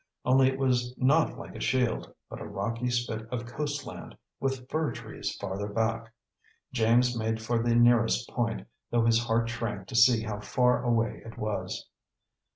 Only it was not like a shield, but a rocky spit of coast land, with fir trees farther back. James made for the nearest point, though his heart shrank to see how far away it was.